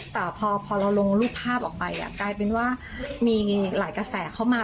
แต่พอเราลงรูปภาพออกไปกลายเป็นว่ามีหลายกระแสเข้ามา